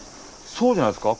そうじゃないですか？